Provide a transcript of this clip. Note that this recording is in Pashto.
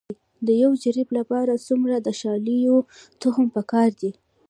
د یو جریب لپاره څومره د شالیو تخم پکار دی؟